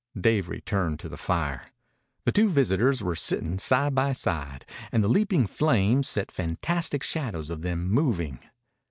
Dave returned to the fire. The two visitors were sitting side by side, and the leaping flames set fantastic shadows of them moving.